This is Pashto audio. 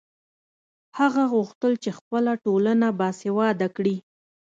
هغه غوښتل چې خپله ټولنه باسواده کړي.